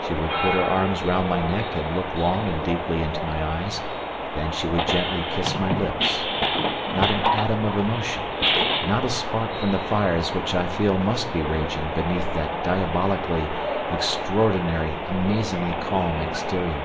She would put her arms round my neck and look long and deeply into my eyes, then she would gently kiss my lips. Not an atom of emotion! not a spark from the fires which I feel must be raging beneath that diabolically extraordinary amazingly calm exterior.